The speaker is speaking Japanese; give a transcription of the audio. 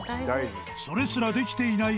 それすらできていない